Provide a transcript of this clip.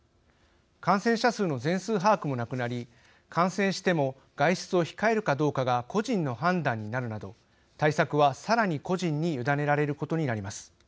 感染者数の全数把握もなくなり感染しても外出を控えるかどうかが個人の判断になるなど対策は、さらに個人に委ねられることになります。